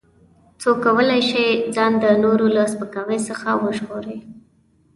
څو وکولای شي ځان د نورو له سپکاوي څخه وژغوري.